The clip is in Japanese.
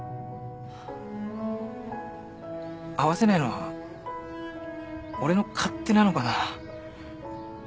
会わせないのは俺の勝手なのかな。